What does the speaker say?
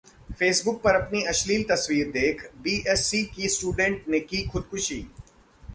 Facebook पर अपनी अश्लील तस्वीर देख बीएससी की स्टूडेंट ने की खुदकुशी